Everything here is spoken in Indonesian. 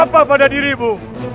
apa apa pada dirimu